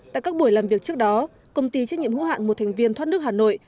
tại các buổi làm việc trước đó công ty trách nhiệm hữu hạn một thành viên thoát nước hà nội